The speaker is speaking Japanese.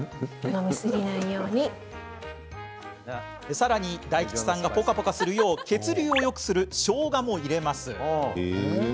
さらに、大吉さんがポカポカするよう血流をよくするしょうがも入れます。